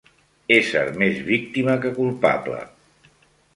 Ésser més víctima que culpable